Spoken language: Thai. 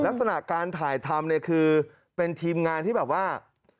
ลักษณะการถ่ายทำเนี่ยคือเป็นทีมงานที่แบบว่า